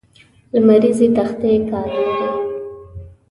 لمریزې تختې کار لري.